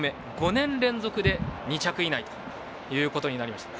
５年連続で２着以内ということになりました。